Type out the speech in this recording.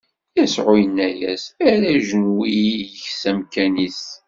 Yasuɛ inna-as: Err ajenwi-ik s amkan-is.